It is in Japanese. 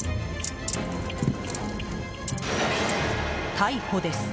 逮捕です。